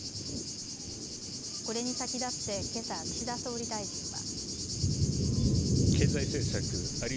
これに先立ってけさ岸田総理大臣は。